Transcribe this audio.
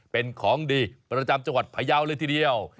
เป็นของดีประจำจังหวัดพยาวเลยทีเดียว